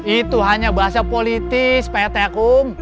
itu hanya bahasa politis pt akum